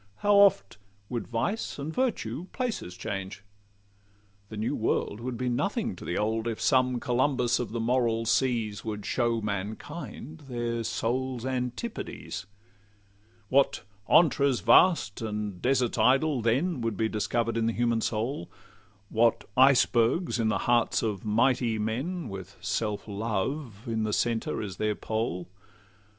How oft would vice and virtue places change! The new world would be nothing to the old, If some Columbus of the moral seas Would show mankind their souls' antipodes. What 'antres vast and deserts idle' then Would be discover'd in the human soul! What icebergs in the hearts of mighty men, With self love in the centre as their pole!